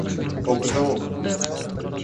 Око за око!